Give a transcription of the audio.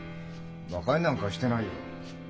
バカになんかしてないよ。